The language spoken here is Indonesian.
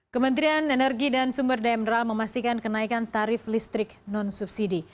kementerian energi dan sumber daya mineral memastikan kenaikan tarif listrik non subsidi